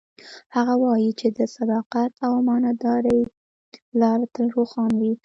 هغه وایي چې د صداقت او امانتدارۍ لار تل روښانه وي